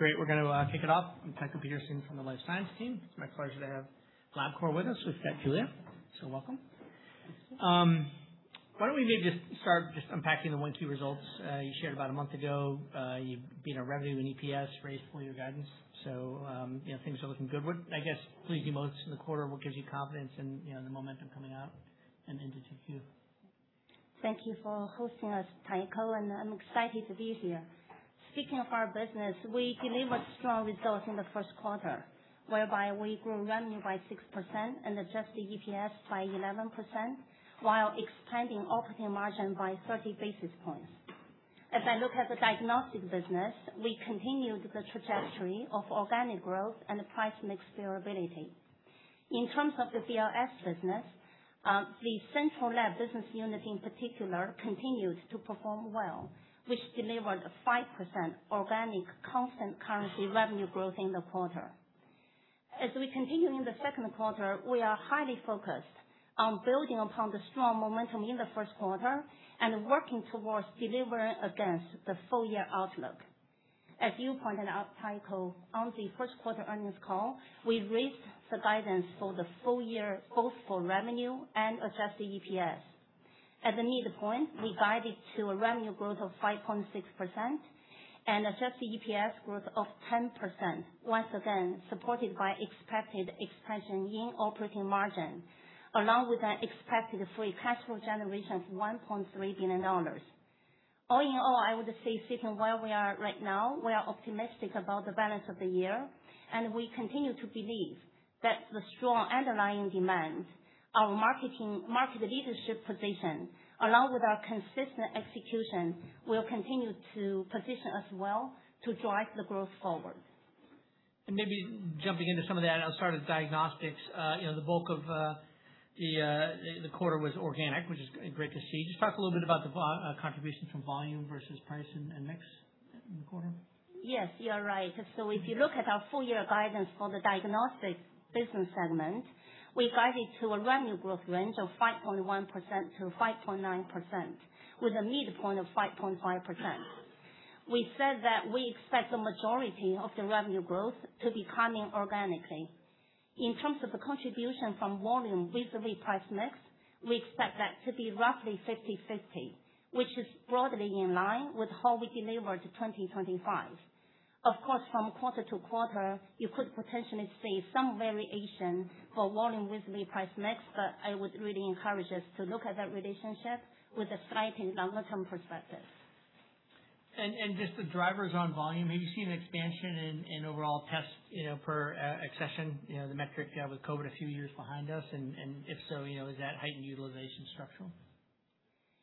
Okay, great. We're going to kick it off. I'm Tycho Peterson from the Life Science team. It's my pleasure to have Labcorp with us. We've got Julia, so welcome. Thank you. Why don't we maybe just start just unpacking the one, two results you shared about a month ago. You beat on revenue and EPS, raised full-year guidance. Things are looking good. What, I guess, pleased you most in the quarter? What gives you confidence in the momentum coming out and into 2Q? Thank you for hosting us, Tycho. I'm excited to be here. Speaking of our business, we delivered strong results in the first quarter, whereby we grew revenue by six percent and adjusted EPS by 11%, while expanding operating margin by 30 basis points. As I look at the diagnostic business, we continued the trajectory of organic growth and price mix durability. In terms of the CLS business, the Central Laboratory Services in particular, continued to perform well, which delivered five percent organic constant currency revenue growth in the quarter. As we continue in the second quarter, we are highly focused on building upon the strong momentum in the first quarter and working towards delivering against the full-year outlook. As you pointed out, Tycho, on the first quarter earnings call, we raised the guidance for the full year, both for revenue and adjusted EPS. At the midpoint, we guided to a revenue growth of five point six percent and adjusted EPS growth of 10%, once again, supported by expected expansion in operating margin, along with an expected free cash flow generation of $1.3 billion. All in all, I would say sitting where we are right now, we are optimistic about the balance of the year, and we continue to believe that the strong underlying demand, our market leadership position, along with our consistent execution, will continue to position us well to drive the growth forward. Maybe jumping into some of that. I'll start with diagnostics. The bulk of the quarter was organic, which is great to see. Talk a little bit about the contributions from volume versus price and mix in the quarter. Yes, you are right. If you look at our full-year guidance for the diagnostics business segment, we guided to a revenue growth range of five point one percent to five point nine percent with a midpoint of five point five percent. We said that we expect the majority of the revenue growth to be coming organically. In terms of the contribution from volume with the price mix, we expect that to be roughly 50/50, which is broadly in line with how we delivered 2025. Of course, from quarter to quarter, you could potentially see some variation for volume with the price mix, but I would really encourage us to look at that relationship with a slight and longer term perspective. Just the drivers on volume. Have you seen expansion in overall tests per accession, the metric with COVID a few years behind us? If so, is that heightened utilization structural?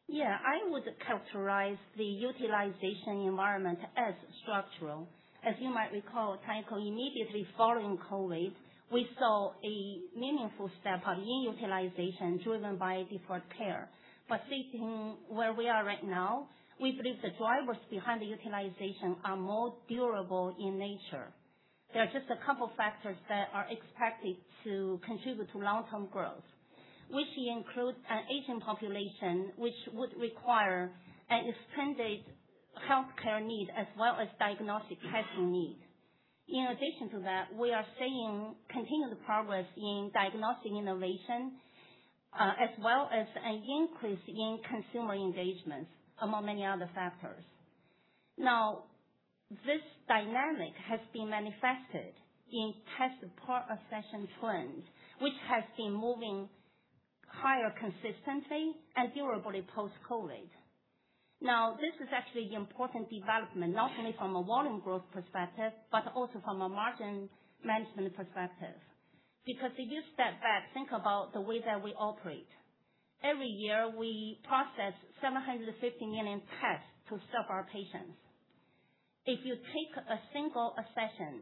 Yeah. I would characterize the utilization environment as structural. As you might recall, Tycho, immediately following COVID, we saw a meaningful step-up in utilization driven by deferred care. Sitting where we are right now, we believe the drivers behind the utilization are more durable in nature. There are just a couple factors that are expected to contribute to long-term growth, which includes an aging population, which would require an extended healthcare need as well as diagnostic testing need. In addition to that, we are seeing continued progress in diagnostic innovation, as well as an increase in consumer engagement among many other factors. This dynamic has been manifested in test per accession trends, which has been moving higher consistently and durably post-COVID. This is actually an important development, not only from a volume growth perspective, but also from a margin management perspective. Because if you step back, think about the way that we operate. Every year, we process 750 million tests to serve our patients. If you take a single accession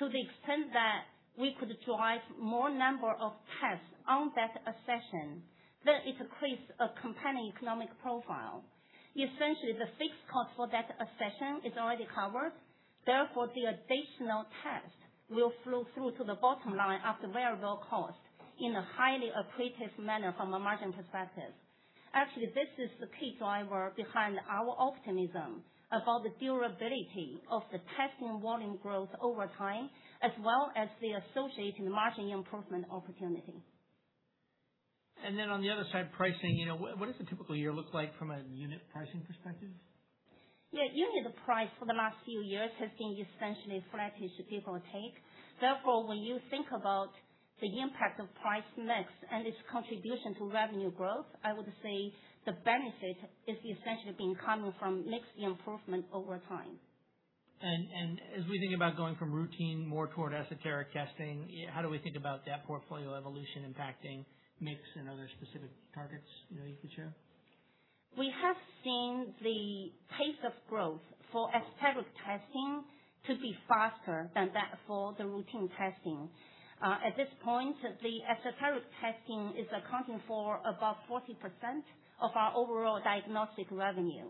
to the extent that we could drive more number of tests on that accession, then it creates a compelling economic profile. Essentially, the fixed cost for that accession is already covered. Therefore, the additional test will flow through to the bottom line at the variable cost in a highly accretive manner from a margin perspective. Actually, this is the key driver behind our optimism about the durability of the testing volume growth over time, as well as the associated margin improvement opportunity. On the other side, pricing. What does a typical year look like from a unit pricing perspective? Yeah. Unit price for the last few years has been essentially flat-ish, give or take. When you think about the impact of price mix and its contribution to revenue growth, I would say the benefit is essentially being coming from mix improvement over time. As we think about going from routine more toward esoteric testing, how do we think about that portfolio evolution impacting mix and other specific targets that you could share? We have seen the pace of growth for esoteric testing to be faster than that for the routine testing. At this point, the esoteric testing is accounting for about 40% of our overall diagnostic revenue.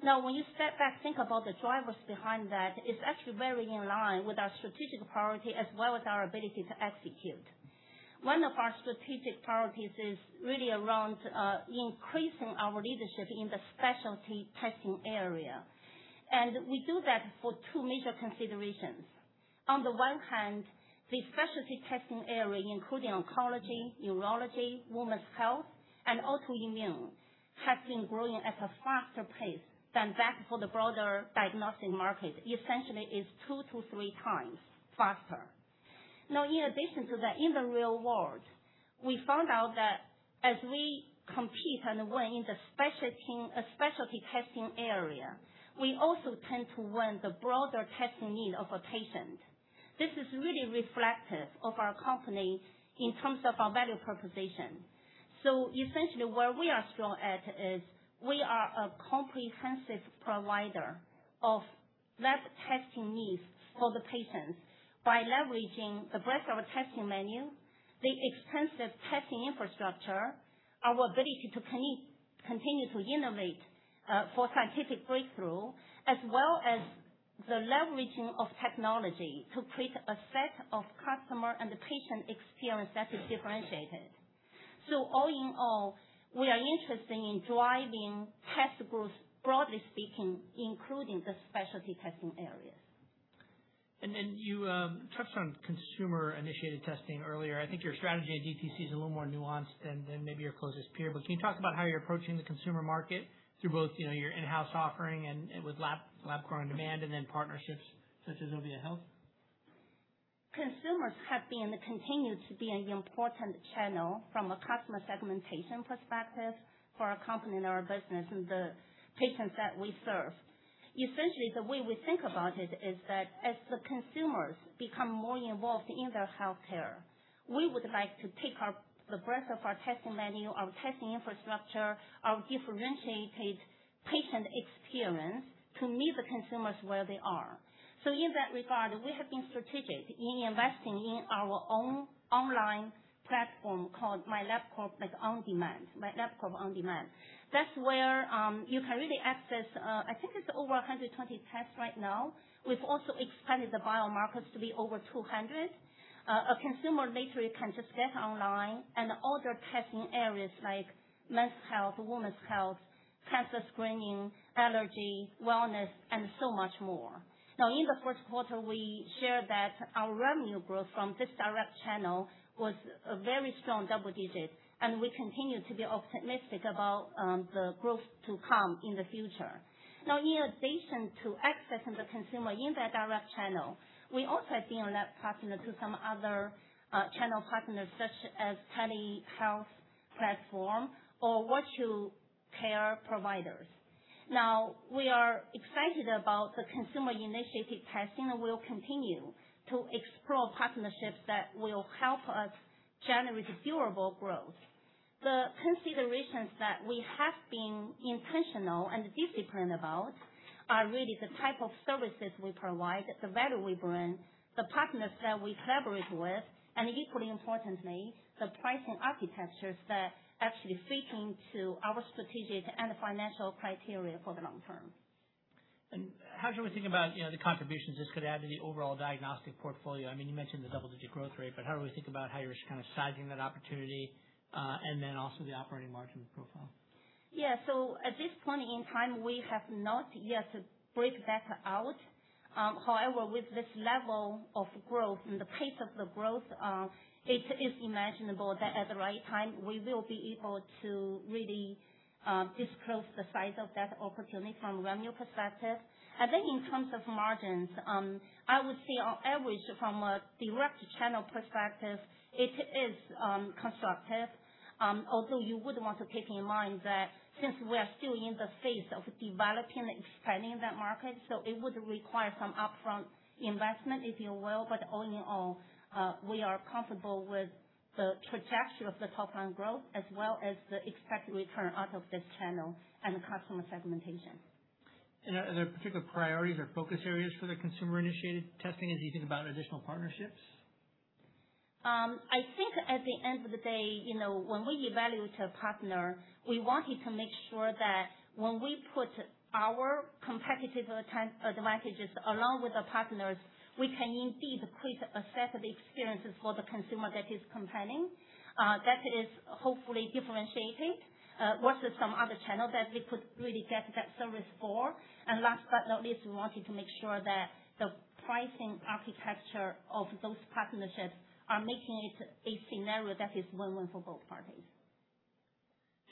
When you step back, think about the drivers behind that, it's actually very in line with our strategic priority as well as our ability to execute. One of our strategic priorities is really around increasing our leadership in the specialty testing area. We do that for two major considerations. On the one hand, the specialty testing area, including oncology, urology, women's health, and autoimmune, has been growing at a faster pace than that for the broader diagnostic market. Essentially, it's two to three times faster. In addition to that, in the real world, we found out that as we compete and win in the specialty testing area, we also tend to win the broader testing need of a patient. This is really reflective of our company in terms of our value proposition. Essentially, where we are strong at is we are a comprehensive provider of lab testing needs for the patients by leveraging the breadth of our testing menu, the extensive testing infrastructure, our ability to continue to innovate, for scientific breakthrough, as well as the leveraging of technology to create a set of customer and patient experience that is differentiated. All in all, we are interested in driving test growth, broadly speaking, including the specialty testing areas. You touched on consumer-initiated testing earlier. I think your strategy at DTC is a little more nuanced than maybe your closest peer, but can you talk about how you're approaching the consumer market through both your in-house offering and with Labcorp OnDemand and then partnerships such as Ovia Health? Consumers have been, and continue to be, an important channel from a customer segmentation perspective for our company and our business and the patients that we serve. Essentially, the way we think about it is that as the consumers become more involved in their healthcare, we would like to take the breadth of our testing menu, our testing infrastructure, our differentiated patient experience to meet the consumers where they are. In that regard, we have been strategic in investing in our own online platform called MyLabcorp OnDemand. That's where you can really access, I think it's over 120 tests right now. We've also expanded the biomarkers to be over 200. A consumer literally can just get online and order testing areas like men's health, women's health, cancer screening, allergy, wellness, and so much more. In the first quarter, we shared that our revenue growth from this direct channel was a very strong double digit, and we continue to be optimistic about the growth to come in the future. In addition to accessing the consumer in that direct channel, we also have been a lab partner to some other channel partners such as telehealth platform or virtual care providers. We are excited about the consumer-initiated testing and we'll continue to explore partnerships that will help us generate durable growth. The considerations that we have been intentional and disciplined about are really the type of services we provide, the value we bring, the partners that we collaborate with, and equally importantly, the pricing architectures that actually speaking to our strategic and financial criteria for the long term. How should we think about the contributions this could add to the overall diagnostic portfolio? You mentioned the double-digit growth rate, but how do we think about how you're kind of sizing that opportunity, and then also the operating margin profile? Yeah. At this point in time, we have not yet break that out. However, with this level of growth and the pace of the growth, it is imaginable that at the right time, we will be able to really disclose the size of that opportunity from revenue perspective. I think in terms of margins, I would say on average from a direct channel perspective, it is constructive. Although you would want to keep in mind that since we are still in the phase of developing and expanding that market, so it would require some upfront investment, if you will, but all in all, we are comfortable with the projection of the top-line growth as well as the expected return out of this channel and customer segmentation. Are there particular priorities or focus areas for the consumer-initiated testing as you think about additional partnerships? I think at the end of the day, when we evaluate a partner, we wanted to make sure that when we put our competitive advantages along with the partners, we can indeed create a set of experiences for the consumer that is compelling, that is hopefully differentiated versus some other channel that we could really get that service for. Last but not least, we wanted to make sure that the pricing architecture of those partnerships are making it a scenario that is win-win for both parties.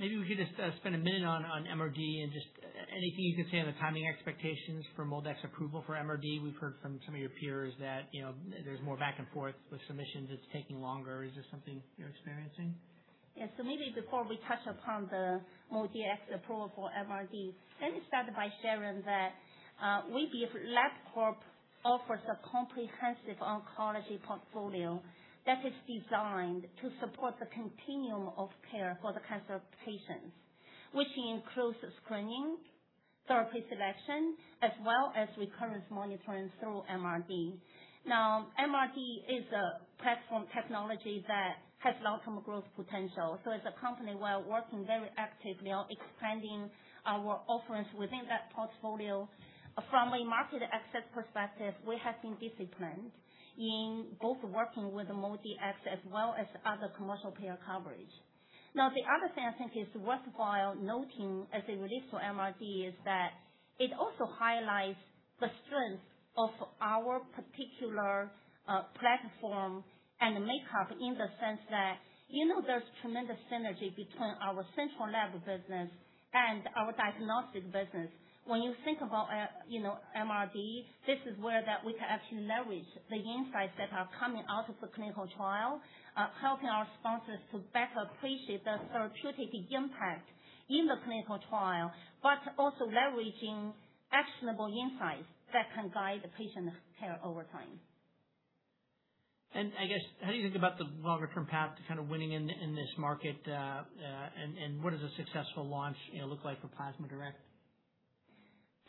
Maybe we could just spend a minute on MRD and just anything you could say on the timing expectations for MolDX approval for MRD. We've heard from some of your peers that there's more back and forth with submissions. It's taking longer. Is this something you're experiencing? Yeah. Maybe before we touch upon the MolDX approval MRD, let me start by sharing that Labcorp offers a comprehensive oncology portfolio that is designed to support the continuum of care for the cancer patients, which includes screening, therapy selection, as well as recurrence monitoring through MRD. MRD is a platform technology that has long-term growth potential. As a company, we're working very actively on expanding our offerings within that portfolio. From a market access perspective, we have been disciplined in both working with MolDX as well as other commercial payer coverage. The other thing I think is worthwhile noting as it relates to MRD is that it also highlights the strength of our particular platform and makeup in the sense that there's tremendous synergy between our Central Lab business and our Diagnostic business. When you think about MRD, this is where we can actually leverage the insights that are coming out of the clinical trial, helping our sponsors to better appreciate the therapeutic impact in the clinical trial, but also leveraging actionable insights that can guide the patient care over time. I guess, how do you think about the longer-term path to winning in this market? What does a successful launch look like for Labcorp Plasma Detect?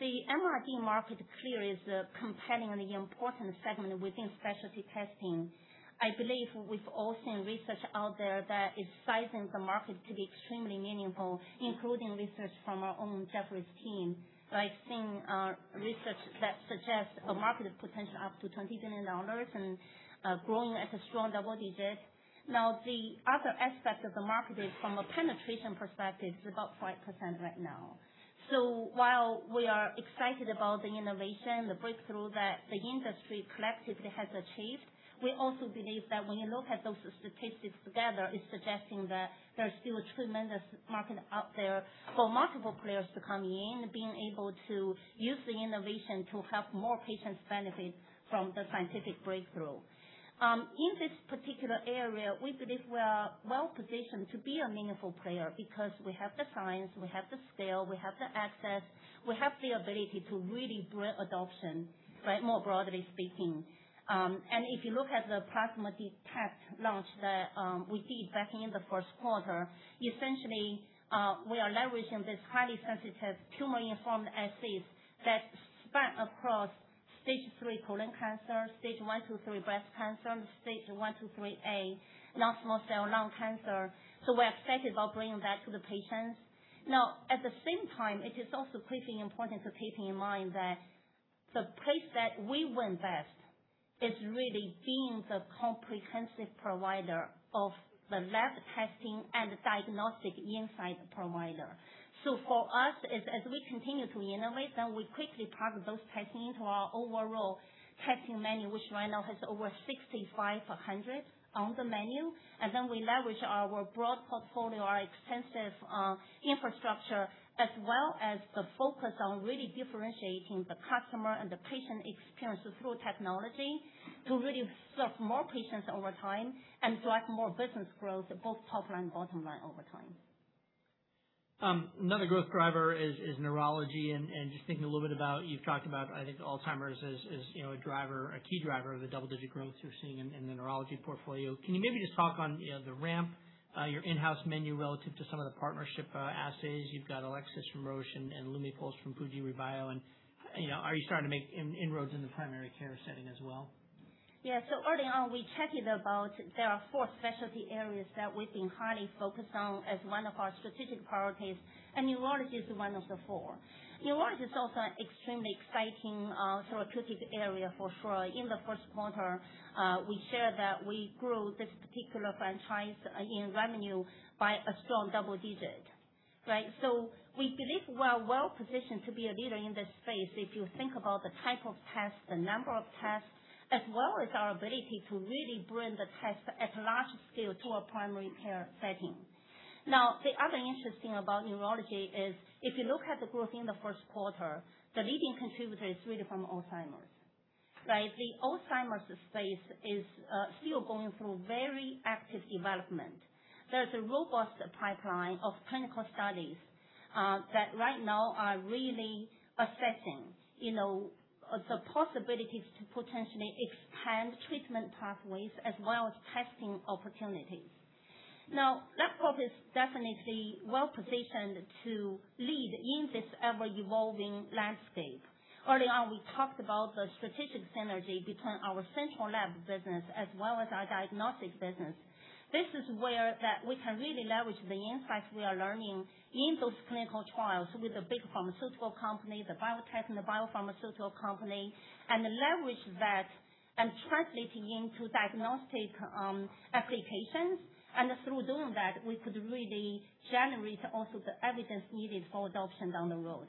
The MRD market clearly is a compelling and important segment within specialty testing. I believe we've all seen research out there that is sizing the market to be extremely meaningful, including research from our own Jefferies team. I've seen research that suggests a market potential up to $20 billion and growing at a strong double digit. The other aspect of the market is from a penetration perspective, it's about five percent right now. While we are excited about the innovation, the breakthrough that the industry collectively has achieved, we also believe that when you look at those statistics together, it's suggesting that there's still a tremendous market out there for multiple players to come in, being able to use the innovation to help more patients benefit from the scientific breakthrough. In this particular area, we believe we are well-positioned to be a meaningful player because we have the science, we have the scale, we have the access, we have the ability to really bring adoption, more broadly speaking. If you look at the Plasma Detect launch that we did back in the first quarter, essentially, we are leveraging this highly sensitive tumor-informed assays that span across stage three colon cancer, stage one to three breast cancer, stage one to three A non-small cell lung cancer. We're excited about bringing that to the patients. Now, at the same time, it is also critically important to keep in mind that the place that we win best is really being the comprehensive provider of the lab testing and diagnostic insight provider. For us, as we continue to innovate, then we quickly park those testing into our overall testing menu, which right now has over 6,500 on the menu. We leverage our broad portfolio, our extensive infrastructure, as well as the focus on really differentiating the customer and the patient experience through technology to really serve more patients over time and drive more business growth, both top line and bottom line over time. Another growth driver is neurology, just thinking a little bit about, you've talked about, I think Alzheimer's is a key driver of the double-digit growth you're seeing in the neurology portfolio. Can you maybe just talk on the ramp, your in-house menu relative to some of the partnership assays? You've got Elecsys from Roche and LUMIPULSE from Fujirebio, are you starting to make inroads in the primary care setting as well? Yeah. Early on, we chatted about there are four specialty areas that we've been highly focused on as 1 of our strategic priorities, neurology is one of the four. Neurology is also an extremely exciting therapeutic area for sure. In the first quarter, we shared that we grew this particular franchise in revenue by a strong double digit. We believe we are well-positioned to be a leader in this space if you think about the type of tests, the number of tests, as well as our ability to really bring the test at large scale to a primary care setting. The other interesting about neurology is if you look at the growth in the first quarter, the leading contributor is really from Alzheimer's, right? The Alzheimer's space is still going through very active development. There's a robust pipeline of clinical studies that right now are really assessing the possibilities to potentially expand treatment pathways as well as testing opportunities. Labcorp is definitely well-positioned to lead in this ever-evolving landscape. Early on, we talked about the strategic synergy between our central lab business as well as our diagnostic business. This is where we can really leverage the insights we are learning in those clinical trials with the big pharmaceutical company, the biotech, and the biopharmaceutical company, and leverage that and translating into diagnostic applications. Through doing that, we could really generate also the evidence needed for adoption down the road.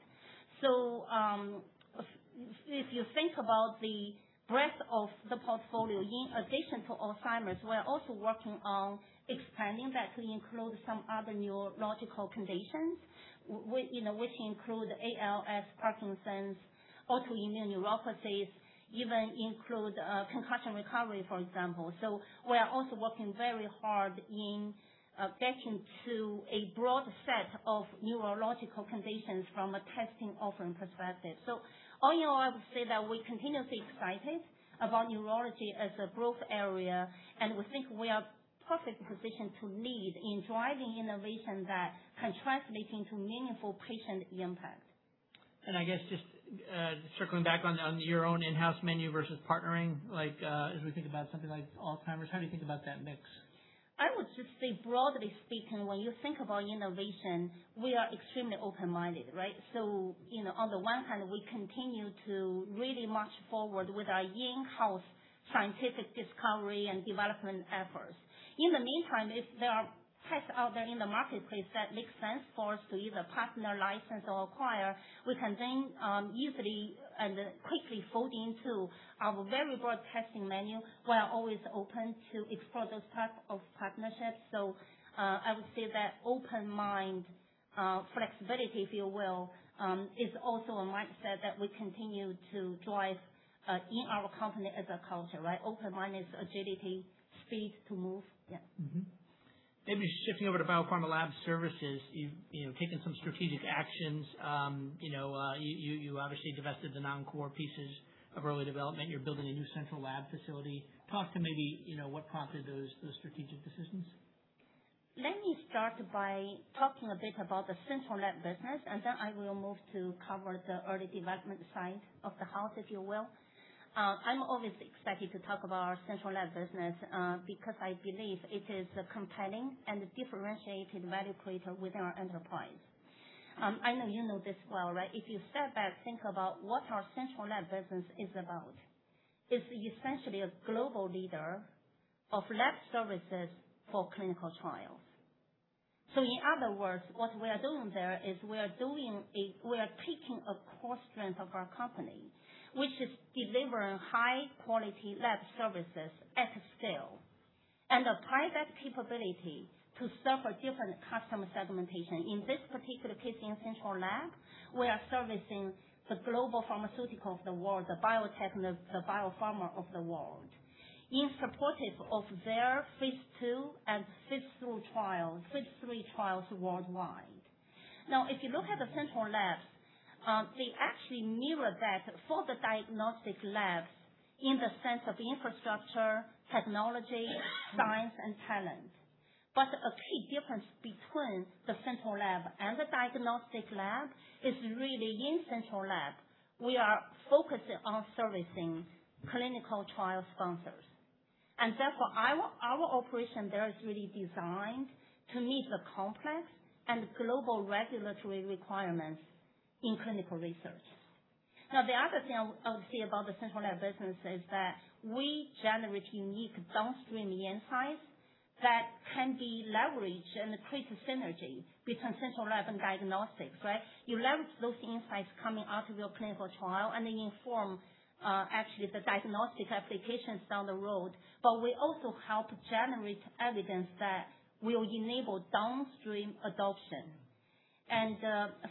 If you think about the breadth of the portfolio, in addition to Alzheimer's, we're also working on expanding that to include some other neurological conditions which include ALS, Parkinson's, autoimmune neuropathies, even include concussion recovery, for example. We are also working very hard in getting to a broad set of neurological conditions from a testing offering perspective. All in all, I would say that we're continuously excited about neurology as a growth area, and we think we are perfectly positioned to lead in driving innovation that can translate into meaningful patient impact. I guess just circling back on your own in-house menu versus partnering, as we think about something like Alzheimer's, how do you think about that mix? I would just say broadly speaking, when you Think about innovation, we are extremely open-minded, right? On the one hand, we continue to really march forward with our in-house scientific discovery and development efforts. In the meantime, if there are tests out there in the marketplace that make sense for us to either partner, license, or acquire, we can then easily and quickly fold into our very broad testing menu. We are always open to explore those types of partnerships. I would say that open mind, flexibility, if you will, is also a mindset that we continue to drive in our company as a culture, right? Open mind is agility, speed to move. Yeah. Maybe shifting over to Pharmalab Services. You've taken some strategic actions. You obviously divested the non-core pieces of early development. You're building a new Central Lab facility. Talk to maybe what prompted those strategic decisions. Let me start by talking a bit about the Central Laboratory Services, and then I will move to cover the early development side of the house, if you will. I'm always excited to talk about our Central Laboratory Services because I believe it is a compelling and differentiated value creator within our enterprise. I know you know this well, right? If you step back, think about what our Central Laboratory Services is about. It's essentially a global leader of lab services for clinical trials. In other words, what we are doing there is we are taking a core strength of our company, which is delivering high-quality lab services at scale, and apply that capability to serve a different customer segmentation. In this particular case, in Central Laboratory Services, we are servicing the global pharmaceutical of the world, the biotech, the biopharma of the world, in supportive of their phase II and phase III trials worldwide. If you look at the Central Laboratory Services, they actually mirror that for the diagnostic labs in the sense of infrastructure, technology, science, and talent. A key difference between the Central Laboratory Services and the diagnostic lab is really in Central Laboratory Services, we are focusing on servicing clinical trial sponsors. Therefore, our operation there is really designed to meet the complex and global regulatory requirements in clinical research. The other thing I would say about the Central Laboratory Services business is that we generate unique downstream insights that can be leveraged and create a synergy between Central Laboratory Services and diagnostics, right. You leverage those insights coming out of your clinical trial, and they inform actually the diagnostic applications down the road. We also help generate evidence that will enable downstream adoption.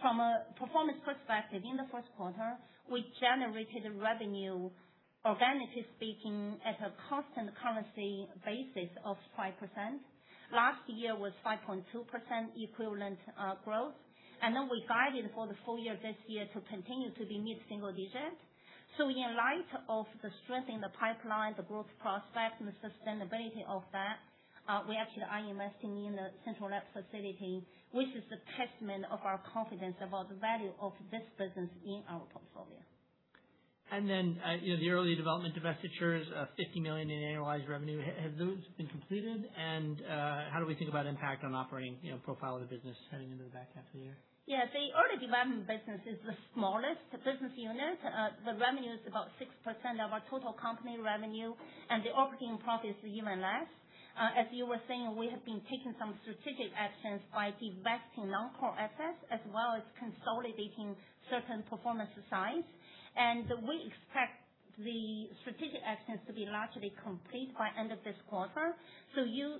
From a performance perspective, in the first quarter, we generated revenue, organically speaking, at a constant currency basis of five percent. Last year was five point two equivalent growth. We guided for the full year this year to continue to be mid-single digit. In light of the strength in the pipeline, the growth prospect, and the sustainability of that, we actually are investing in a central lab facility, which is a testament of our confidence about the value of this business in our portfolio. The early development divestitures, $50 million in annualized revenue. Have those been completed? How do we think about impact on operating profile of the business turning into the back half of the year? Yeah. The early development business is the smallest business unit. The revenue is about six percent of our total company revenue, and the operating profit is even less. As you were saying, we have been taking some strategic actions by divesting non-core assets as well as consolidating certain performance sites. We expect the strategic actions to be largely complete by end of this quarter. You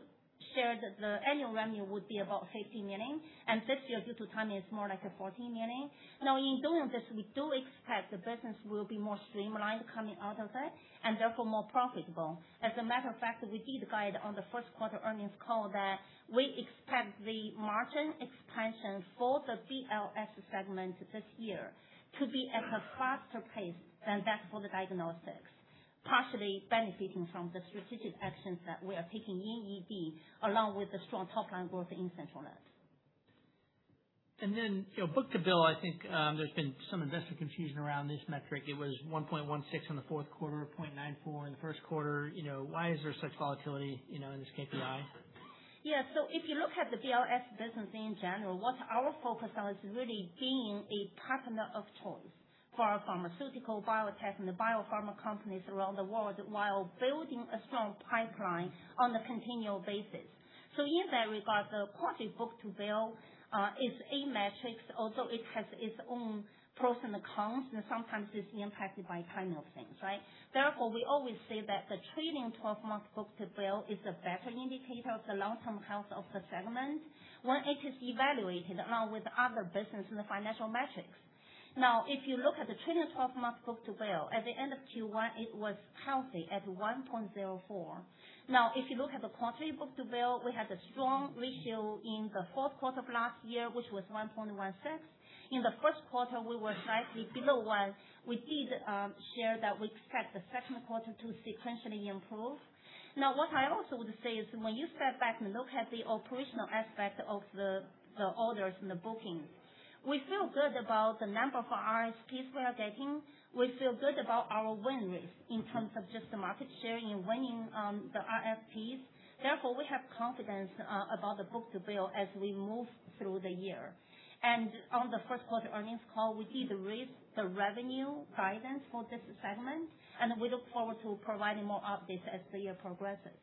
shared that the annual revenue would be about $50 million, and this year due to timing is more like a $40 million. Now in doing this, we do expect the business will be more streamlined coming out of it and therefore more profitable. As a matter of fact, we did guide on the first quarter earnings call that we expect the margin expansion for the BLS segment this year to be at a faster pace than that for the diagnostics, partially benefiting from the strategic actions that we are taking in ED, along with the strong top-line growth in Central Lab. book-to-bill, I think there's been some investor confusion around this metric. It was one point one six in the fourth quarter, zero point nine four in the first quarter. Why is there such volatility in this KPI? Yeah. If you look at the BLS business in general, what our focus on is really being a partner of choice for our pharmaceutical, biotech, and the biopharma companies around the world while building a strong pipeline on a continual basis. In that regard, the quarterly book-to-bill is a metric, although it has its own pros and cons, and sometimes it's impacted by timing of things, right? Therefore, we always say that the trailing 12-month book-to-bill is a better indicator of the long-term health of the segment when it is evaluated along with other business and the financial metrics. If you look at the trailing 12-month book-to-bill, at the end of Q1, it was healthy at one point zero four. If you look at the quarterly book-to-bill, we had a strong ratio in the fourth quarter of last year, which was one point one six. In the first quarter, we were slightly below one. We did share that we expect the second quarter to sequentially improve. Now, what I also would say is when you step back and look at the operational aspect of the orders and the bookings. We feel good about the number of RFPs we are getting. We feel good about our win rate in terms of just the market share in winning the RFPs. Therefore, we have confidence about the book-to-bill as we move through the year. On the first quarter earnings call, we did raise the revenue guidance for this segment, and we look forward to providing more updates as the year progresses.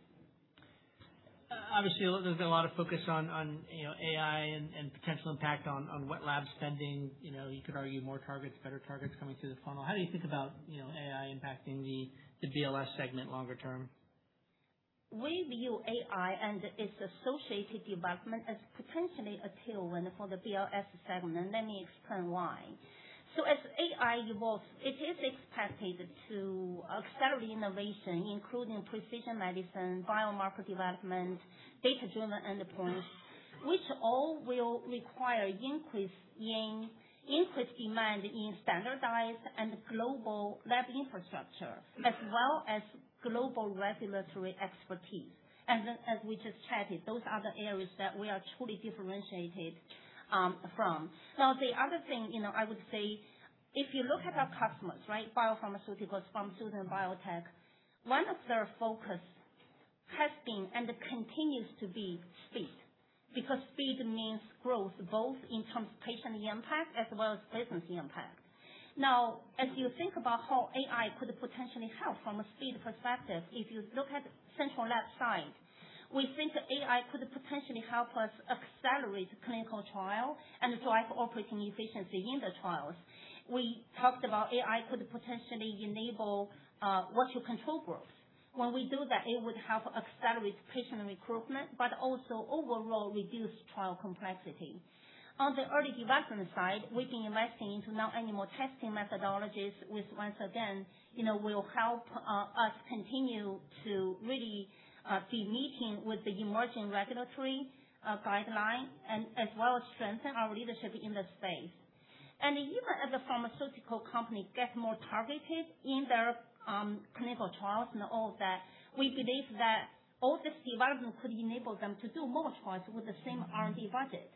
Obviously, there's been a lot of focus on AI and potential impact on what lab spending, you could argue more targets, better targets coming through the funnel. How do you think about AI impacting the BLS segment longer term? We view AI and its associated development as potentially a tailwind for the BLS segment. Let me explain why. As AI evolves, it is expected to accelerate innovation, including precision medicine, biomarker development, data-driven endpoints, which all will require increased demand in standardized and global lab infrastructure, as well as global regulatory expertise. As we just chatted, those are the areas that we are truly differentiated from. The other thing I would say, if you look at our customers, biopharmaceuticals, pharmaceutical, and biotech, one of their focus has been and continues to be speed, because speed means growth, both in terms of patient impact as well as business impact. As you think about how AI could potentially help from a speed perspective, if you look at Central Lab side, we think AI could potentially help us accelerate clinical trial and drive operating efficiency in the trials. We talked about AI could potentially enable virtual control groups. When we do that, it would help accelerate patient recruitment, but also overall reduce trial complexity. On the early development side, we've been investing into non-animal testing methodologies, which once again will help us continue to really be meeting with the emerging regulatory guidelines and as well as strengthen our leadership in the space. Even as the pharmaceutical company gets more targeted in their clinical trials and all of that, we believe that all this development could enable them to do more trials with the same R&D budget.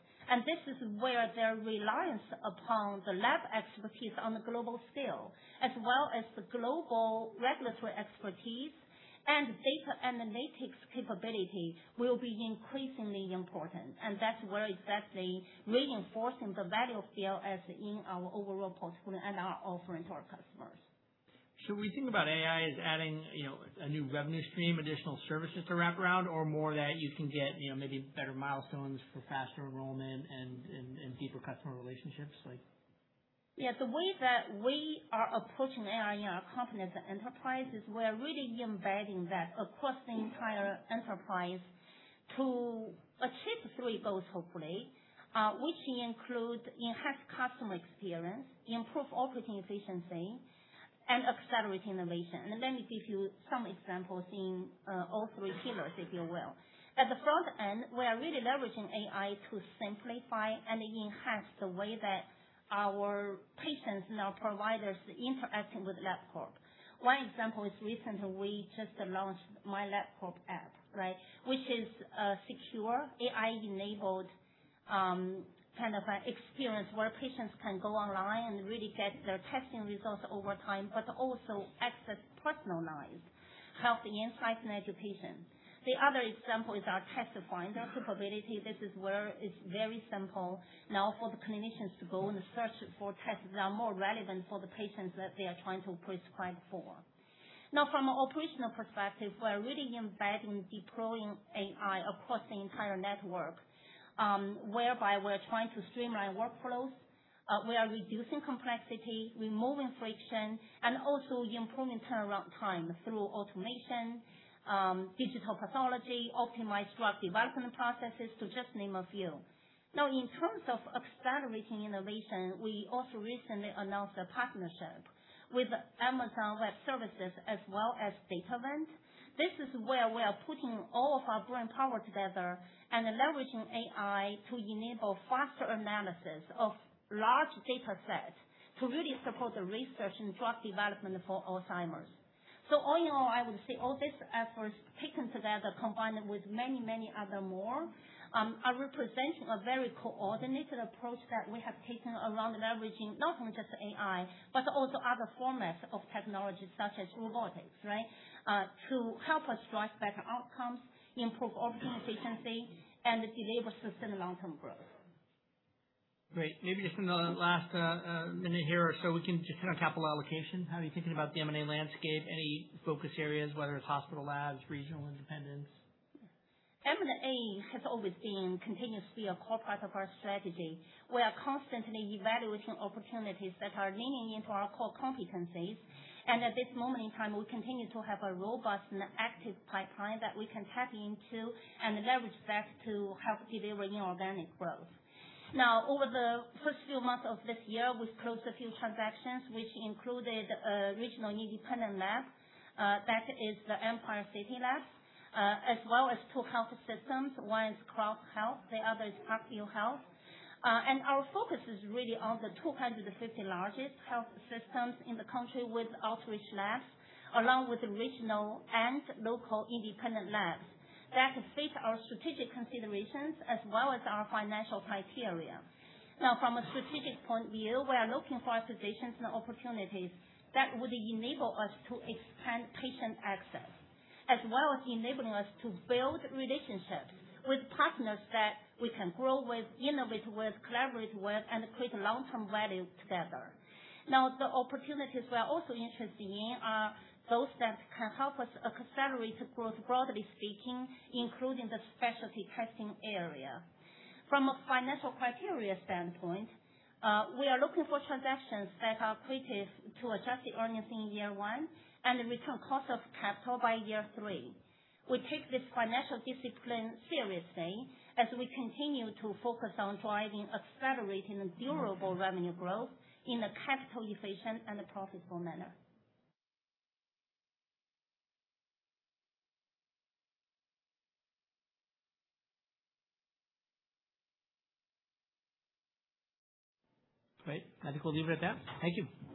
This is where their reliance upon the lab expertise on a global scale, as well as the global regulatory expertise and data analytics capability, will be increasingly important. That's where exactly reinforcing the value of BLS in our overall portfolio and our offering to our customers. Should we think about AI as adding a new revenue stream, additional services to wrap around, or more that you can get maybe better milestones for faster enrollment and deeper customer relationships? Yeah. The way that we are approaching AI in our company as an enterprise is we're really embedding that across the entire enterprise to achieve three goals, hopefully. Which include enhanced customer experience, improved operating efficiency, and accelerated innovation. Let me give you some examples in all three pillars, if you will. At the front end, we are really leveraging AI to simplify and enhance the way that our patients and our providers interacting with Labcorp. One example is recent, we just launched MyLabcorp app. Which is a secure AI-enabled experience where patients can go online and really get their testing results over time, but also access personalized health insights and education. The other example is our Test Finder capability. This is where it's very simple now for the clinicians to go and search for tests that are more relevant for the patients that they are trying to prescribe for. From an operational perspective, we're really embedding deploying AI across the entire network, whereby we're trying to streamline workflows, we are reducing complexity, removing friction, and also improving turnaround time through automation, digital pathology, optimized drug development processes, to just name a few. In terms of accelerating innovation, we also recently announced a partnership with Amazon Web Services as well as Datavant. This is where we are putting all of our brainpower together and leveraging AI to enable faster analysis of large data sets to really support the research and drug development for Alzheimer's. All in all, I would say all these efforts taken together, combined with many, many other more, are representing a very coordinated approach that we have taken around leveraging not from just AI, but also other formats of technology such as robotics. To help us drive better outcomes, improve operating efficiency, and enable sustained long-term growth. Great. Maybe just in the last minute here or so, we can just hit on capital allocation. How are you thinking about the M&A landscape? Any focus areas, whether it's hospital, labs, regional, independents? M&A has always been, continues to be a core part of our strategy. We are constantly evaluating opportunities that are leaning into our core competencies, and at this moment in time, we continue to have a robust and active pipeline that we can tap into and leverage that to help deliver inorganic growth. Now, over the first few months of this year, we've closed a few transactions which included a regional independent lab, that is the Empire City Laboratories, as well as two health systems. One is Cross Health, the other is Parkview Health. Our focus is really on the 250 largest health systems in the country with outreach labs, along with regional and local independent labs that fit our strategic considerations as well as our financial criteria. From a strategic point of view, we are looking for acquisitions and opportunities that would enable us to expand patient access, as well as enabling us to build relationships with partners that we can grow with, innovate with, collaborate with, and create long-term value together. The opportunities we are also interested in are those that can help us accelerate growth, broadly speaking, including the specialty testing area. From a financial criteria standpoint, we are looking for transactions that are accretive to adjusted earnings in year one and return cost of capital by year three. We take this financial discipline seriously as we continue to focus on driving accelerating and durable revenue growth in a capital efficient and profitable manner. Great. I think we'll leave it at that. Thank you. Thank you.